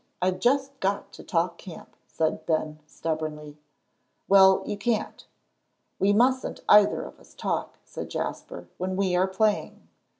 I've just got to talk camp," said Ben, stubbornly. "Well, you can't. We mustn't either of us talk," said Jasper, "when we are playing.